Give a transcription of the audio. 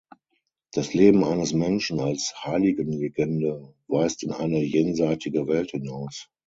Das Leben eines Menschen als Heiligenlegende weist in eine jenseitige Welt hinaus.